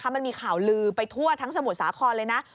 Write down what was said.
มันมีข่าวลือไปทั่วทั้งสมุทรสาครเลยนะ